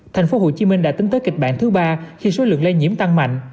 tp hcm đã tính tới kịch bản thứ ba khi số lượng lây nhiễm tăng mạnh